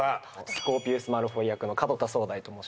スコーピウス・マルフォイ役の門田宗大と申します